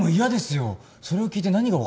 それを聞いて何が分かるんですか。